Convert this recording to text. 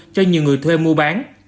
cho nhiều người thuê mua bán